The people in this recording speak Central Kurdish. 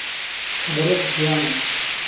که بهرۆکت جوانه